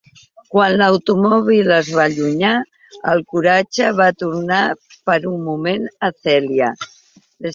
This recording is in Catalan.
Quan l'automòbil es va allunyar, el coratge va tornar per un moment a Celia.